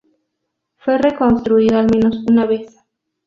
Fue reconstruido al menos una vez.